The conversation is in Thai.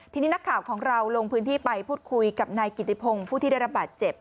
ทีนี้นักข่าวของเราลงพื้นที่ไปพูดคุยกับนายกิติพงศ์ผู้ที่ได้รับบาดเจ็บ